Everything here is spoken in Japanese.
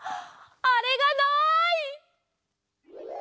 あれがない！